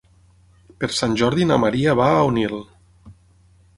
Per Sant Jordi na Maria va a Onil.